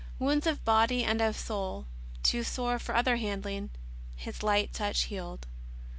Wounds of body and of soul too sore for other handling His light touch healed.